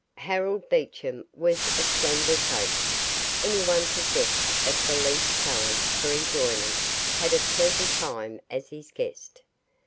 Harold Beecham was a splendid host. Anyone possessed of the least talent for enjoyment had a pleasant time as his guest.